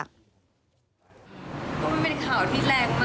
มันเป็นข่าวที่แรงมากเหมือนกันนะว่า